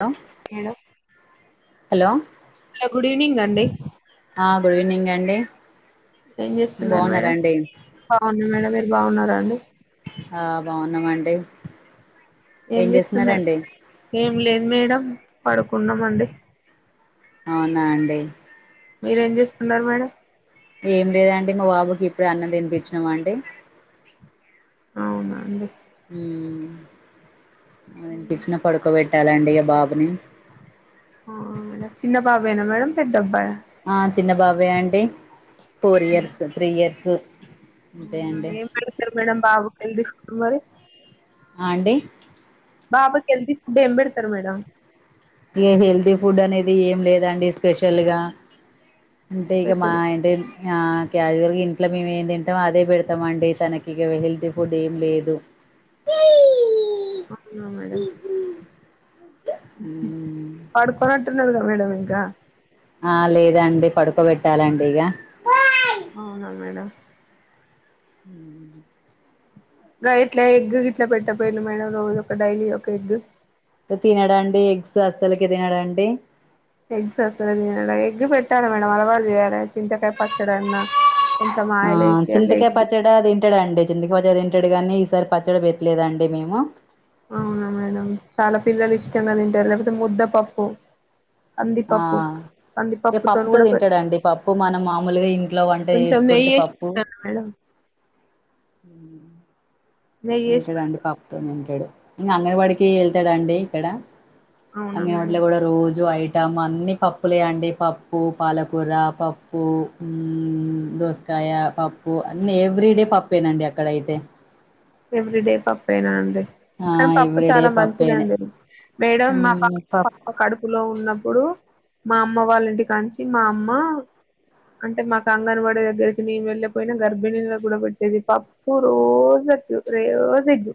లో ఏలో హలో లో గుడ్ ఈవినింగ్ అండి ఆ గుడ్ ఈవనింగ్ అండి ఏం చేస్తున్నారు మేడం బాగున్నారండి బాగున్నా మేడం మీరు బాగున్నరా అండి ఆ బాగున్నామండి ఏం చేస్తున్నారు ఏం లేదు మేడం పడుకున్నా మండి అవునా అండి మీరేం చేస్తున్నారు మేడం ఏం లేదండి మా బాబుకి ఇప్పుడే అన్నం తినిపించినాం అండి అవునా అండి ఊ ఉమ్, తినిపిచ్చిన పడుకోబెట్టాలండి ఇగ బాబుని ఆ మేడం చిన్న బాబేనా మేడం పెద్ద అబ్బాయ ఆ చిన్న బాబే అండి ఫోర్ చిన్న- ఇయర్స్, త్రీ ఇయర్స్ అంతే అవునా అండి ఏం పెడతరు మేడం బాబు కి హెల్తీ ఫుడ్ మరి ఆ అండి బాబుకి హెల్తీ ఫుడ్ ఎం పెడతరు మేడమ్ ఇగ హెల్తీ ఫుడ్ అనేది ఏం లేదండి స్పెషల్ గా అంటే ఇగ మా స్పెషల్ ఆయన్ డెల్ ఆ క్యాజువల్గ ఇంట్ల మేము ఏం తింటం అదే పెడతామండి తనకిగ హెల్తీ ఫుడ్ ఏం లేదు [unintelligible] అవునా మేడం పడుకోనట్టున్నడుగా మేడం ఇంకా ఆ లేదండి పడుకోబెట్టాలండిగ అవునా మేడం హూ లైట్ లైట్ గిట్ల పెట్టపోయిళ్ళు మేడం రోజు ఒక డైలీ ఒక ఎగ్ తినడండి ఎగ్స్ అస్సలకె తినడండి ఎగ్స్ అస్సలే తినడ ఎగ్గ్ పెట్టాలి మేడం అలవాటు జేయాలె చింతకాయ పచ్చడన్నా కొంచెం ఆ ఆయిల్ వేసి అల్ల చింతకాయ ఎగ్ పచ్చడా దిన్ తింటడండి చింతకిపచ్చడి తింటడు గనీ ఈసారి పచ్చడి బెట్టలేదండి మేము అవునా మేడం చాలా పిల్లలు ఇష్టంగ తింటరు లేకపోతే ముద్దపప్పు ఆ కందిపప్పు ఇగ కందిపప్పుతోని పప్పుతో కూడా పె తింటడండి పప్పు మనం మామూలుగ ఇంట్లో వంట కొంచెం నెయ్యి చేసుకుంటే వేసి పప్పు పెడతాను మేడం ఉమ్ నెయ్యి వేసి తింటదండి పెడతాను పప్పుతోని తింటడు ఇంక అంగన్ బడికి ఎళ్తడండి ఇక్కడ అవునా అంగన్ బడిల మేడం కూడ రోజు అయి టం అన్ని పప్పులే అండి పప్పు పాలకూర, పప్పు ఊమ్ దోస్ కాయ పప్పు అన్ని ఎవ్రీ డే పప్పేనండి అక్కడ అయితే ఎవ్రిడే పప్పెనా అండి ఆ కని పప్పు ఎవ్రీడే చాలా పప్పేనే మంచిదండి మేడం మా పా మ్మ్ ప కడుపులో ఉన్నప్పుడు మా అమ్మ వాళ్ళంటి కాంచి మా అమ్మ అంటే మాకు అంగన్బడీ దగ్గరికి మేం ఎళ్ళక పోయినా గర్భిణీలగ్గుడ పెట్టేది పప్ ఒ రోజు ఎగ్గు రె రోజు ఎగ్గు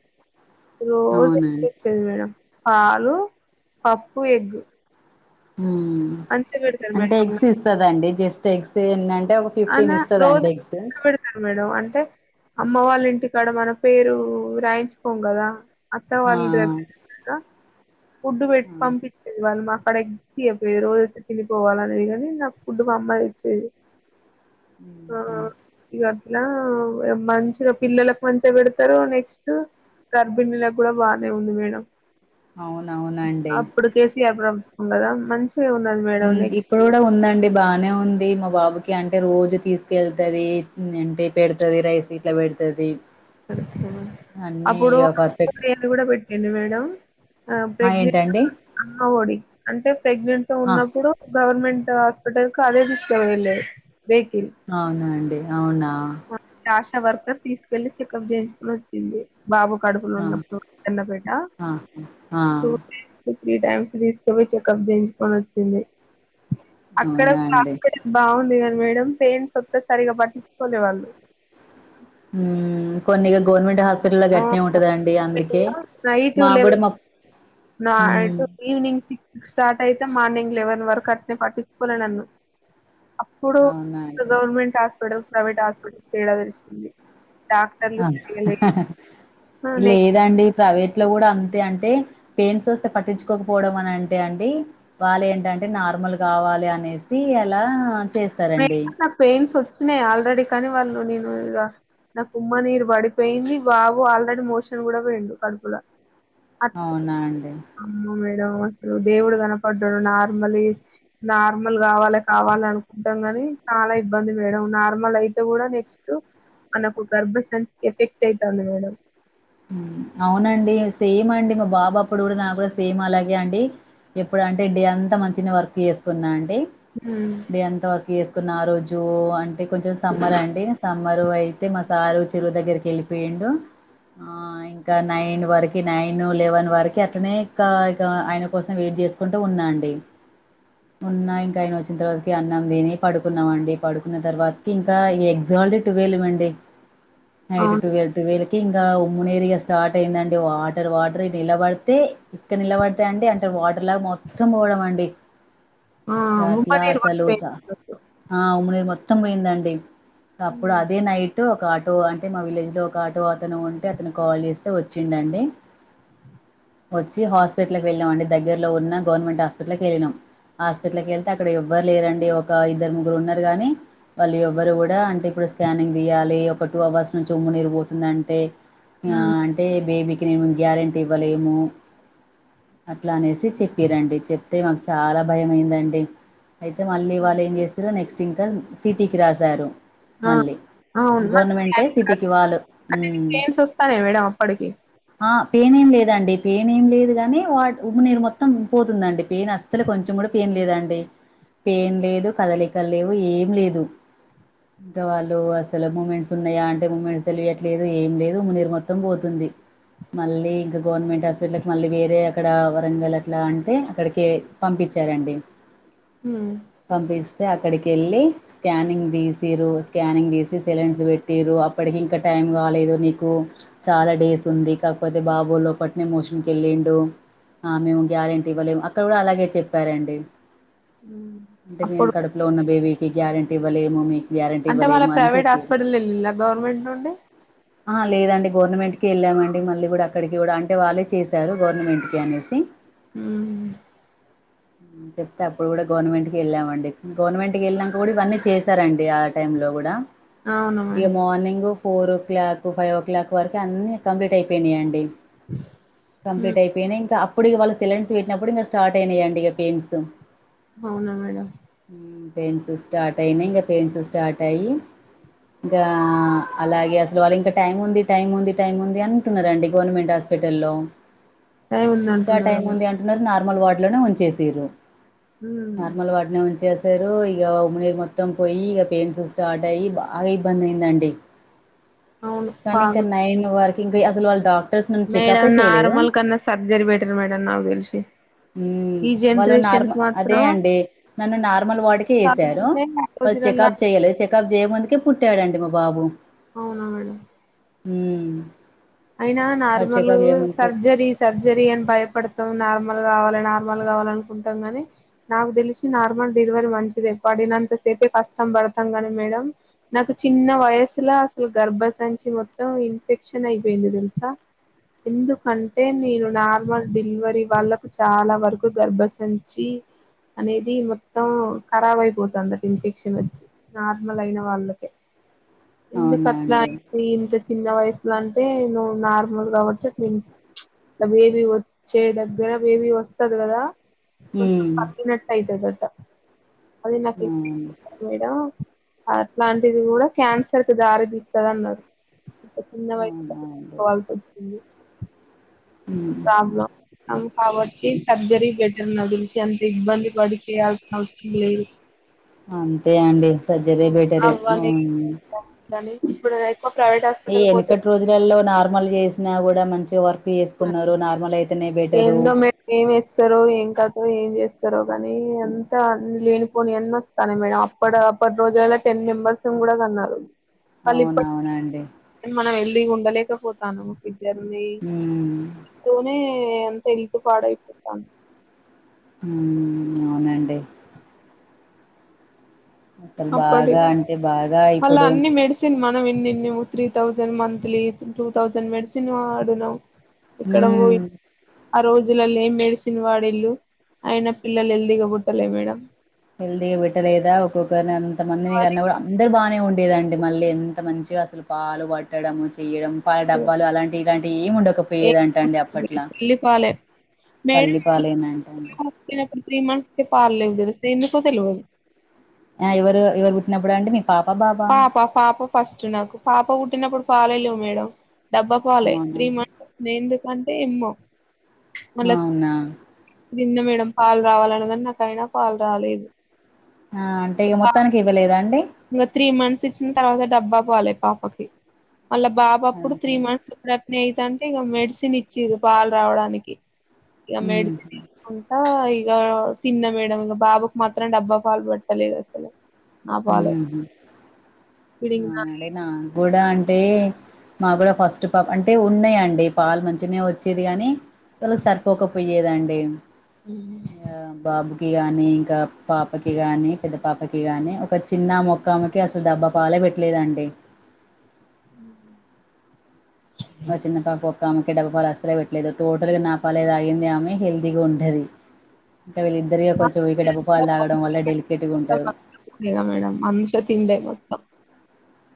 రోజు ఎగ్ అవునండి పెట్టేది మేడం పాలు, పప్పు, ఎగ్గ్ ఊమ్ పెడతారు అంటే మేడం ఎగ్స్ ఇస్తదండి జస్ట్ ఎగ్స్ ఏందంటే ఒక అన ఫిఫ్టీన్ రోజు ఇస్తదండి ఎగ్స్ మేడం అంటే అమ్మ వాళ్ళ ఇంటికాడ మన పేరు రాయించుకోం గదా ఆ అత్తవాళ్ ఇంటి దగ్గర ఫుడ్ పెట్టి ఆ పంపించ్చేది వాళ్లు మాక్కడ ఎగ్స్ ఇయ్యపోయేది రోజు వచ్చి తినిపోవాలి అనేది గనీ నాకు ఫుడ్ మా అమ్మ దెచ్ చ్చేది [inaudible] ఆ ఇగ అట్లా మంచిగ పిల్లలకు మంచిగ పెడతరు నెక్స్ట్ గర్భిణీలగ్గుడా బానే ఉంది మేడం అవునవున్ అప్పుడు కేసీఆర్ ప్రభుత్వం కదా మంచిగా ఉండే ఉ ఇప్పుడు కూడ ఉందండి బానే ఉంది మా బాబుకి అంటే రోజు తీసుకెళ్తుది అంటే పెడతుది రైస్ ఎట్ల వెడతది [unintelligible] అప్పుడు పర్ఫెక్ట్ కూడా పెట్టడి మేడం ఆ ప్రెగ్నెంట్ ఏంటండి [unintelligible] అమ్మ ఒడి అంటే ప్రెగ్నెంట్ తో ఆ ఉన్నప్పుడు గవర్నమెంట్ హాస్పిటల్ అదే తీసుక పోయిళ్ళు వెహికల్ అవునా అండి అవునా మాకు ఆశ వర్కర్ తీసుకెళ్ళి చెకప్ చేయించుకొని వచ్చే [unintelligible] బాబు కడుపులో ఆ ఉన్నప్పుడు ఎన్నపేట ఆ ఆ చూ త్రీ టైమ్స్ తీసుకుపోయి చెకప్ జెయించుకొని అచ్చింది అక్కడ అవునా అండి హాస్పటల్ బాగుంది గని మేడం ప్ [unintelligible] ఒత్తే సరిగ పట్టించుకోలే వాళ్ళు ఊ కొన్ని గవర్నమెంట్ హాస్ప ఆ గట్నే ఉంటదండి అందుకే నైట్ మా గుడ లెవెన్ మా ఉ హు నైట్ ఈవినింగ్ సిక్స్ కి స్టార్ట్ అయితే మార్నింగ్ లెవెన్ వరకు అట్నే పట్టించుకోలే నన్ను అప్పుడు అవునా అండి గవర్నమెంట్ హాస్పిటల్ ప్రైవేట్ హాస్పిటల్ తేడ తెలిసింది డాక్టర్లు ఆ [unintelligible] నెక్స్ట్ లేదండి ప్రైవేట్ లో కూడా అంతే అంటే పెయిన్స్ వస్తే పట్టించుకోకపోవడం అని అంటే అండి వాళ్ళు ఏంటంటే నార్మలగ కావాలి అనేసి అలా చేస్తారండి నాకు పెయిన్స్ వచ్చినయి ఆల్రెడీ కానీ వాళ్ళు నేను ఇగ నాకు ఉమ్మ నీరు పడిపోయింది బాబు ఆల్రెడీ మోషన్ కూడ పోయిండు కడుపులో అవునా అండి అమ్మో మేడం అసలు దేవుడు కనపడ్డడు నార్మలీ నార్మల్ కావాలే కావాల అను గాని చాలా ఇబ్బంది మేడం నార్మల్ అయితే కూడా నెక్స్ట్ మనకు గర్భ సంచికి ఎఫెక్ట్ అయితంది మేడం అవునండి సేమ్ అండి మా బాబు అప్పుడు కూడా నా కూడా సేమ్ అలాగే అండి ఎప్పుడు అంటే డే అంత మంచినే వర్క్ చేసుకున్నా అండి ఉ డే అంత వర్క్ చేసుకున్న ఆ రోజు అంటే కొంచెం సమ్మర్ అండి సమ్మరు అయితే మా సారు చెరువు దగ్గరికి వెళ్ళిపోయిండు ఆ ఇంకా నైన్ వరకి నైన్ లెవెన్ వరకి అట్లనే ఇంకా ఇక ఆయన కోసం వెయిట్ చేసుకుంట ఉన్నా అండి ఉన్నా ఇంకా ఆయన వచ్చిన తర్వాతకి అన్నం దని పడుకున్నాం అండి పడుకున్న తర్వాతకి ఇంకా ఈ ఎగ్జా [unintelligible] ట్వెల్వ్ అండి నైట్ అవును టువెల్ టువేల్కి ఇంగ ఉమ్మనీరు ఇగ స్టార్ట్ అయిందండి వాటర్ వాటర్ నిలబడితే ఇక్క నిలబడ [unintelligible] వాటర్ లాగ మొత్తం పోవడమండి ఆ ఉమ్మ అట్లా నీరు అసలు చ పడిపోయింది అన్నట్టు ఆ ఉమ్మ నిరు మొత్తం పోయిందండి అప్పుడు ఉమ్, అదే నైటు ఒక ఆటో అంటే మా విలేజ్ లో ఒక ఆటో అతను ఉంటే అతను కాల్ జేస్తే ఒచ్చిండు అండి వచ్చి హాస్పిటల్కి వెళ్ళినాం అండి దగ్గరలో ఉన్న గవర్నమెంట్ హాస్పిటల్కి వెళ్ళినాం హాస్పిటల్కి వెళ్తే అక్కడ ఎవ్వరు లేరండి ఒక ఇద్దరు ముగ్గురు ఉన్నారు గాని వాళ్ళు ఎవ్వరు గుడా అంటే ఇప్పుడు స్కానింగ్ దీయాలి ఒక టూ అవర్స్ నుంచి ఉమ్ము నీరు పోతుంది [unintelligible] అంటే ఆ ఉమ్, అంటే బేబీకి మేము గ్యారెంటీ ఇవ్వలేము అట్లా అనేసి అదే చెప్పిరండి చెప్తే మాకు చాలా భయం అయిందండి అయితే మళ్ళీ వాళ్ళ ఉమ్, ఏం చేస్ ఇగ నెక్స్ట్ ఇంకా సిటీకి రాసారు ఆ మళ్ళీ అవును మరి గవర్నమెంటే స్కానింగ్ సిటీకి వాళ్ళు అంటే మీకు మ్మ్ పెయిన్స్ వస్తానయా మేడం అప్పడికి ఆ పేయిన్ ఏం లేదండి పేయిన్ ఏం లేదు కానీ వాటి ఉమ్మ నీరు మొత్తం పోతుందండి పెయిన్ అస్తలే కొంచెం కూడా పెయిన్ లేదండి పెయిన్ లేదు కదలికలు లేవు ఏం లేదు ఇంకా వాళ్ళు అసలు మూమెంట్స్ ఉన్నాయా అంటే మూమెంట్స్ తెలీయాద్ లేదు ఏం లేదు ఉమ్మనీరు మొత్తం పోతుంది మళ్ళీ ఇంకా గవర్నమెంట్ హాస్పిటల్కి మళ్ళీ వేరే అక్కడ వరంగల్ అట్లా అంటే అక్కడికే పంపిచ్చారండి హు పంపిస్తే అక్కడికెళ్ళి స్కానింగ్ తీసిరు స్కానింగ్ తీసి సెలన్స్ పెట్టిరు అప్పడికి ఇంక టైం కాలేదు నీకు చాలా డేస్ ఉంది కాకపోతే బాబు లోపటినే మోషన్కి వెళ్ళిండు ఆ మేము గ్యారెంటీ ఇవ్వలేము అక్కడ కూడా అలాగే చెప్పారండి అంటే మేము అప్పుడు కడుపులో ఉన్న బేబీకి గ్యారెంటీ ఇవ్వలేము మీ అంటే వాళ్ళ ప్రైవేట్ హాస్పిటల్ ఎళ్ళిన్లా గవర్నమెంట్ నుండి [unintelligible] ఆ లేదండి గవర్నమెంట్కి ఎళ్ళామండి మళ్ళీ గుడా అక్కడికి గుడా అంటే వాళ్ళే చేశారు గవర్నమెంట్కి అనేసి హ్మ్ [inaudible] చెప్తే అప్పుడు కూడా గవర్నమెంట్ కి వెళ్ళామండి గవర్నమెంట్కి వెళ్ళినాక కూడా ఇవన్నీ చేశారండి టైమ్లో కూడా అవును ఇగ madam morning four o'clock five o'clock వరకు అన్నీ కంప్లీట్ అయిపోయినాయియండి హ్మ్ కంప్లీట్ అయి పెయిన్ ఇంకా అప్పుడు ఇగ వాళ్ళ సిలైన్స్ పెట్టినప్పుడు స్టార్ట్ అయినాయండి ఇగ పెయిన్స్ అవునా మేడం పెన్స్ స్టార్ట్ అయినై ఇగా పెన్స్ స్టార్ట్ అయ్యి ఇగా అలాగే అసలు వాళ్ళు ఇంకా టైం ఉంది టైం ఉంది టైం ఉంది అంటున్నారండి గవర్నమెంట్ హాస్పిటల్లో టైం ఇంకా ఉందంటున్నారా టైం మరి ఉంది అంటున్నారు నార్మల్ వాడ్ లోనే ఉంచేసిర్రు ఉమ్ నార్మల్ వాడ్లనే ఉంచిన్రు సేరూ ఇగ ఉమ్మి నీరు మొత్తం పోయీ ఇగ పెయిన్స్ స్టార్ట్ అయ్యి బాగ ఇబ్బంది అయిందండి అవును కానీ ఇక బాగా నైన్ వరకు ఇంక అసలు వాల్ డాక్ మేడం నార్మల్ కన్నా సర్జరీ బెటర్ మేడం నాకు తెలిసి ఊమ్ ఈ వాళ్ళు జనరేషన్ నార్మ కి అదే మాత్రం అండీ నన్ను నార్మల్ వార్డుకే ఏశారు వాళ్లు రోజులలా చెకప్ చెయ్యలే చెకప్ చేయ ముందే పుట్టాడండి మా బాబు అవునా మేడం మ్ అయినా నార్మల్ సర్జరీస్ సర్జరీ అని భయపడుతం నార్మల్ కావాలి నార్మల్ కావాల అనుకుంటాం గానీ నాకు తెలిసి నార్మల్ డెలివరీ మంచిదే పడినంత సేపే కష్టం పడతాం గానీ మేడం నాకు చిన్న వయసుల అసలు గర్భసంచి మొత్తం ఇన్ఫెక్షన్ అయిపోయింది దెలుసా? ఎందుకంటే నేను నార్మల్ డెలివరీ వాళ్ళకు చాలా వరకు గర్భసంచి అనేది మొత్తం ఖరాబ్ అయిపోతుందట ఇన్ఫెక్షన్ వచ్చి నార్మల్ అయిన వాళ్ళకే ఎందుకు అవునా అట్లా అండి అయింది ఇంత చిన్న వయసులో అంటే అయితే నువ్వు నార్మల్ కావొచ్చు ట్విన్స్ మ్ చ్ బేబీ వచ్చే దగ్గర బేబీ వస్తది కదా కొంచం మ్మ్ తగ్గినట్టయితదట అది నా అవును మేడం అట్లాంటిది కూడా క్యాన్సర్ కి దారి తీస్తది అన్నారు. చిన్న వై. మైయిండు. కాల్స్వచ్చింది. Hmm problem. అంతా వచ్చి సర్జరీ బెటర్ నాకు తెలిసి అంత ఇబ్బంది పడి చేయాల్సిన అవసరం లేదు. అంతే అండి సర్జరే బెటరు అవ్వని అవును. కానీ ఇప్పుడు. మా ప్రైవేట్ హాస్. ఈ ఎనకటి రోజులలో నార్మల్ చేసినా కూడా మంచిగ వర్క్. వేసుకున్నారు నార్మల్ అయితేనే బెటరు. ఏందో మేడం ఏం ఎస్తారో ఏం కతో ఏం చేస్తారో కనీ అంతా అ లేనిపోని అన్న వస్. కానీ మేడం అప్పుడ అప్పటి రోజులా టెన్ మెంబర్స్ కూడా కన్నారు వాళ్ళు ఇప్పటి అవునవునండి. మనం హెల్దీగా ఉండలేకపోతున్నాం ఒక ఇద్దర్నీ. ఉ. తోనే అంత హెల్తూ పాడై పోత. అవునండి. అసలు అప్పడి బాగా అంటే బాగా అలా ఇప్పుడు అన్ని మెడ్స్. చి మనం ఇన్ని ఇన్ని three thousand monthly two thousand medicine ఆడునావ్. ఇక్కడ ఉమ్ వోయి. ఆ రోజులల్లో ఏం మెడిసిన్ వాడిళ్ళు అయిన పిల్లలు హెల్దీగా పుట్టలే మేడం. హెల్తీగా పెట్టలేదా ఒక్కొక్కరిని అంతమందిని కన్నా కూడా. అందరు బాగానే ఉండేదండి మళ్ళీ ఎంత మంచిగా అసలు పాలు పట్టడంము చేయడం పాలు డబ్బాలు అలాంటి. ఇలాంటి ఏం ఉండకపోయేదంట అండి అప్పట్లా తల్లి పాలే తల్లిపాలేనంటన్రు. ఈయనకి త్రి మంత్స్కె పాలేవు కదా అసలు ఎందుకో తెలువదు. ఆ ఎవరు ఎవరు పుటినప్పుడు అండి మీ. పాప బాబా. పాప పాప ఫస్ట్ నాకు పాప బుట్టినప్పుడు పాలే లెవు మేడం. డబ్బ పాలే అవునా త్రీ మంత్స్ నే ఎందుకంటే ఎమ్మో. అవునా. నిన్న మేడం పాలు రావాలి అన్నగాని నాకైనా పాలు రాలేదు. హా అంటే ఇక మొత్తానికి ఇవ్వలేదా అండి. ఇంకా త్రీ మంత్స్ ఇచ్చిన తర్వాత డబ్బా పాలే పాపకి వాళ్ళ బాబు అప్పుడు త్రీ మంత్స్. విరత్ని అయితాంటే ఇగ మెడిసిన్ ఇచ్చిన్రు పాలు రావడానికి ఇగ మ్మ్ మెడిసిన్ ఇ. అంటా ఇగా తిన్న మేడం ఇగ బాబుకు మాత్రం డబ్బ పాలు బట్టలేని అసలే. అవునండి నాకు కూడా అంటే. మా గుడా ఫస్ట్ పాప అంటే ఉన్నాయండి పాలు మంచిగా వొచ్చేది గనీ. తోల సరిపోక పొయ్యేదండి. ఇగ బాబుకి గాని ఇంకా పాపకి గాని పెద్ద పాపకి గానీ ఒక. ఒక చిన్న మొక్కామెకె అసలు డెబ్బ పాలే బెట్ట లేదు అండి. మ్ మా చిన్న పాప ఒక్క ఆమెకి డబ్బపాలు అసలే పెట్టలేదు టోటల్గా నాపాలే తాగింది ఆమె హెల్తీగా ఉంటది. అంటే వీళ్ళ ఇద్దరిగా కొంచం ఇకడబ్బ పాలు తాగడం వల్ల డెలికెట్ గా ఉంటారు. నేనా మేడమ్ అంత తిండే మొత్తం.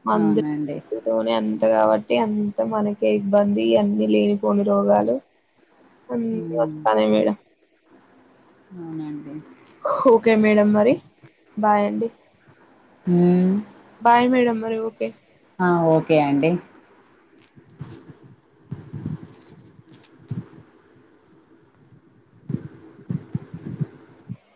మందు అవునండి తోనే అంత కాబట్టి అంత మనకే ఇబ్బంది అన్ని లేనిపోని రోగాలు మ్ ఉమ్ వస్తను మేడ అవునండి ఓకే మేడం మరి బాయ్ అండి ఉ బాయ్ మేడం మరి ఓకే ఆ ఓకే అండి